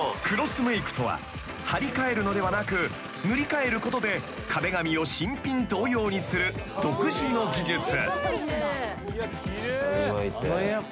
［クロスメイクとは張り替えるのではなく塗り替えることで壁紙を新品同様にする独自の技術］